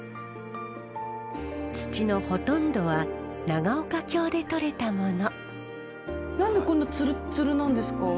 土のほとんどは長岡京でとれたもの。